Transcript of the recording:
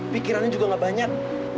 pikirannya juga gak banyak